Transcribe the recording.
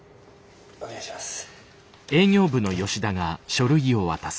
お願いします。